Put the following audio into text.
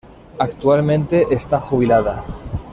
Actualmente está jubilada.